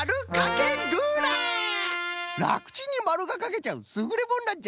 らくちんにまるがかけちゃうすぐれものなんじゃ！